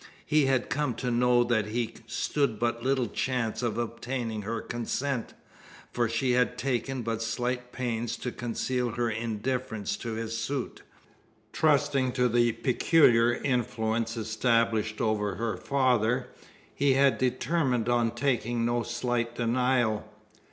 He had come to know that he stood but little chance of obtaining her consent: for she had taken but slight pains to conceal her indifference to his suit. Trusting to the peculiar influence established over her father, he had determined on taking no slight denial.